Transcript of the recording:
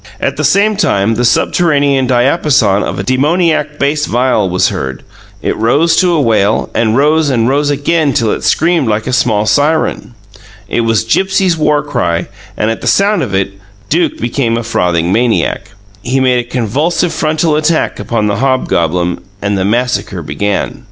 At the same time the subterranean diapason of a demoniac bass viol was heard; it rose to a wail, and rose and rose again till it screamed like a small siren. It was Gipsy's war cry, and, at the sound of it, Duke became a frothing maniac. He made a convulsive frontal attack upon the hobgoblin and the massacre began.